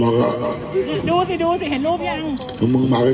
อังกฎทักคนนั้นสุดนี้เล่นยังไม่มีการ